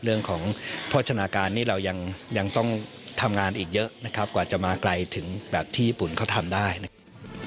เรื่องของโภชนาการนี้เรายังต้องทำงานอีกเยอะนะครับกว่าจะมาไกลถึงแบบที่ญี่ปุ่นเขาทำได้นะครับ